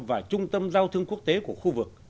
và trung tâm giao thương quốc tế của khu vực